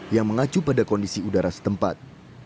yang mengacu pada kondisi udara setempat